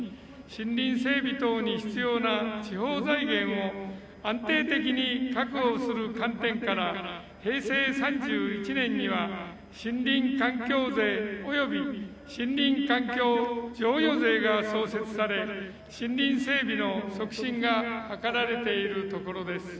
森林整備等に必要な地方財源を安定的に確保する観点から平成３１年には森林環境税および森林環境譲与税が創設され森林整備の促進が図られているところです。